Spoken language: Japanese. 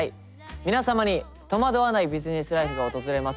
皆様に戸惑わないビジネスライフが訪れますように。